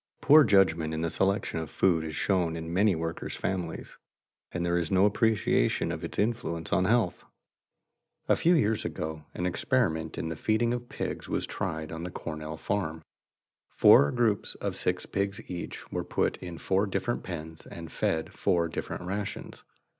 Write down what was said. Poor judgment in the selection of food is shown in many workers' families, and there is no appreciation of its influence on health. [Sidenote: An experiment in feeding] A few years ago an experiment in the feeding of pigs was tried on the Cornell farm. Four groups of six pigs each were put in four different pens and fed four different rations.